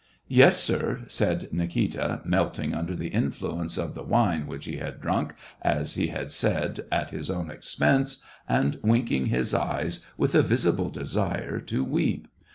" Yes, sir," said Nikita, melting under the influence of the wine which he had drunk, as he ha(] said, " at his own expense," and winking his eyes with a visible desire to weep.